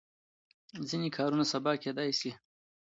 ځینې کارونه سبا کېدای شي.